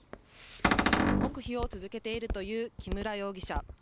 黙秘を続けているという木村容疑者。